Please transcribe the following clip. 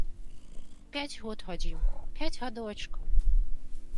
Пяць год хадзіў, пяць гадочкаў.